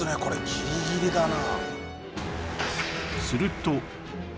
ギリギリだな。